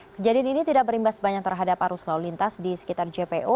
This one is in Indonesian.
kejadian ini tidak berimbas banyak terhadap arus lalu lintas di sekitar jpo